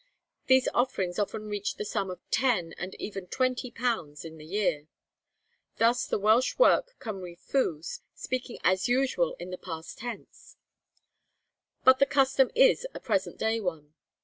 These offerings often reached the sum of ten and even twenty pounds in the year.' Thus the Welsh work, 'Cymru Fu,' speaking as usual in the past tense; but the custom is a present day one.